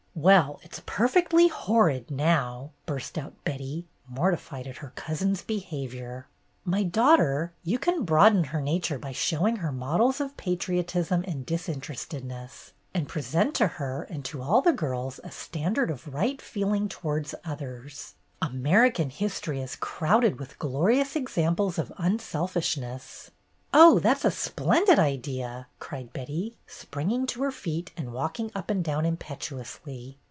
"Well, it 's perfectly horrid now 1" burst out Betty, mortified at her cousin's behavior. "My daughter, you can broaden her nature i8o BETTY BAIRD'S GOLDEN YEAR by showing her models of patriotism and disinterestedness, and present to her and to all the girls a standard of right feeling towards others. American history is crowded with glorious examples of unselfishness.'' "Oh, that 's a splendid idea !" cried Betty, springing to her feet and walking up and down impetuously.